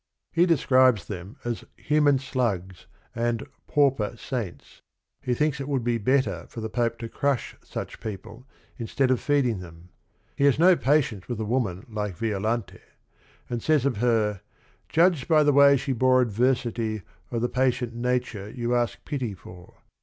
He describes them as "human slugs," and "pauper saints." He thinks it would be better for the Pope to crush such people instead of feeding them. He has no patience with a woman like Violante, and says of her ."Judge by the way she bore adversity O' the patient nature you ask pity for.'